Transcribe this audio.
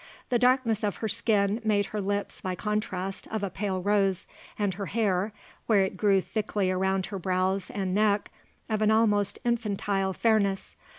The darkness of her skin made her lips, by contrast, of a pale rose, and her hair, where it grew thickly around her brows and neck, of an almost infantile fairness.